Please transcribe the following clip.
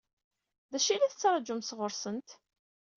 D acu i la tettṛaǧum sɣur-sent?